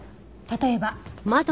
例えば。